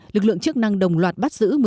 lực lượng chức năng đồng loạt bắt giữ